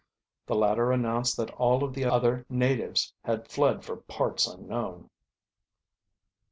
The latter announced that all of the other natives had fled for parts unknown.